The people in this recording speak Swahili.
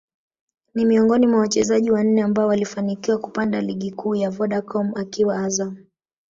ni miongoni mwa wachezaji wanne ambao walifanikiwa kupanda Ligi Kuu ya Vodacom akiwa Azam